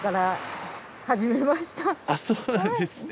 あっそうなんですね。